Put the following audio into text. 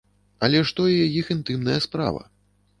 Але ж тое іх інтымная справа.